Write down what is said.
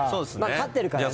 勝ってるからね。